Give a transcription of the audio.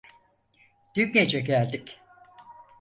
Dün gece geldik.